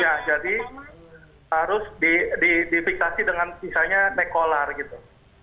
ya jadi harus difiksasi dengan misalnya nekolar gitu